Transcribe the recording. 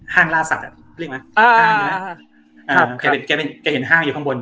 ล่าสัตว์เรียกไหมอ่างอยู่นะแกเป็นแกเป็นแกเห็นห้างอยู่ข้างบน